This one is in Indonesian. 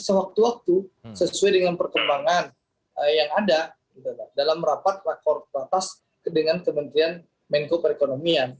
sewaktu waktu sesuai dengan perkembangan yang ada dalam rapat rakor lantas dengan kementerian menko perekonomian